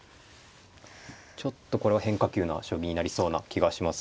ちょっとこれは変化球な将棋になりそうな気がします。